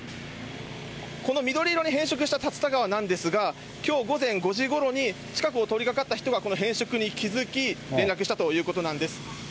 この緑色に変色した竜田川なんですが、きょう午前５時ごろに近くを通りかかった人がこの変色に気付き、連絡したということなんです。